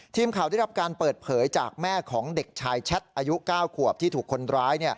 ทีมข่าวได้รับการเปิดเผยจากแม่ของเด็กชายแชทอายุ๙ขวบที่ถูกคนร้าย